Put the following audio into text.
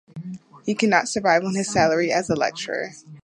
He could not survive on his salary as a lecturer.